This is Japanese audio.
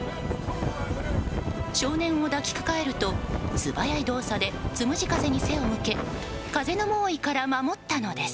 少年を抱きかかえると素早い動作でつむじ風に背を向け風の猛威から守ったのです。